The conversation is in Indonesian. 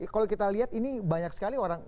kalau kita lihat ini banyak sekali orang